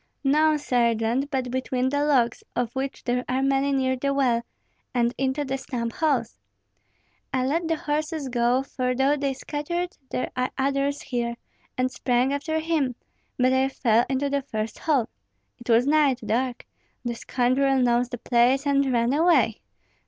"No, Sergeant, but between the logs, of which there are many near the well, and into the stump holes. I let the horses go; for though they scattered there are others here, and sprang after him, but I fell into the first hole. It was night, dark; the scoundrel knows the place, and ran away.